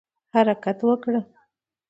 حرکت وکړه